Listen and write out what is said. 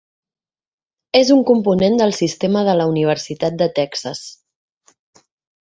És un component del Sistema de la Universitat de Texas.